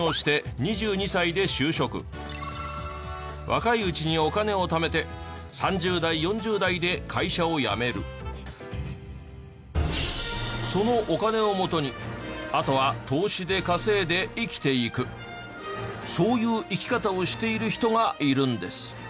若いうちにお金をためてそのお金を元にあとは投資で稼いで生きていくそういう生き方をしている人がいるんです。